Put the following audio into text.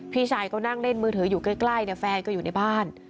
พี่ชายก็นั่งเล่นมือถืออยู่ใกล้แฟนก็อยู่ในบ้าน